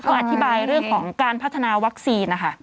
ก็อธิบายเรื่องของการพัฒนาวัคซีนนะคะ